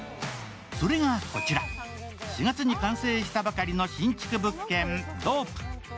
それがこちら、４月に完成したばかりの新築物件、ドープ。